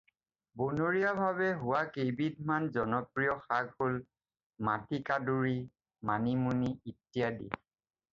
বনৰীয়াভাৱে হোৱা কেইবিধ মান জনপ্ৰিয় শাক হ'ল – মাটিকাঁদুৰী, মাণিমুণি, ইত্যাদি।